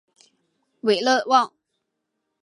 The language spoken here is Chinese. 韦勒旺。